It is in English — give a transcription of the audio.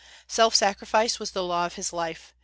Self sacrifice was the law of his life.